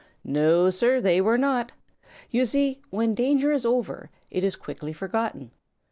No, Sir, they were not! You see, when danger is over, it is quickly forgotten.